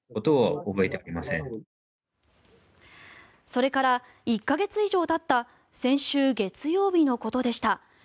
それから１か月以上たった先週月曜日のことでした。